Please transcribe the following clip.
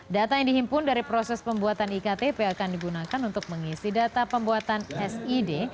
data yang dihimpun dari proses pembuatan iktp akan digunakan untuk mengisi data pembuatan sid